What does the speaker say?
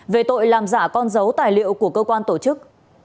về tội làm giả con dấu tài liệu của cơ quan tổ chức